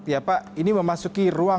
ya pak ini memasuki ruang